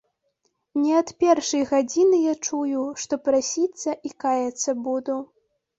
Не ад першай гадзіны я чую, што прасіцца і каяцца буду.